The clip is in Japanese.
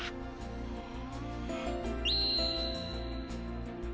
へえ。